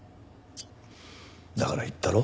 だから言ったろ？